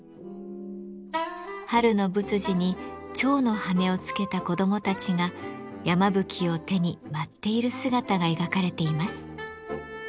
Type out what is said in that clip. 春の仏事に蝶の羽をつけた子どもたちが山吹を手に舞っている姿が描かれています。